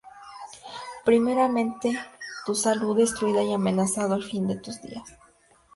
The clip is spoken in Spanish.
Primeramente tu salud destruida, y amenazando el fin de tus días.